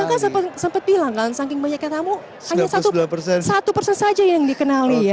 bahkan sempat bilang kan saking banyaknya tamu hanya satu persen saja yang dikenali ya